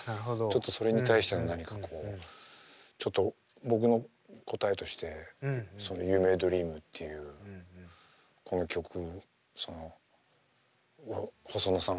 ちょっとそれに対しての何かこうちょっと僕の答えとしてその「ユーメイドリーム」っていうこの曲細野さん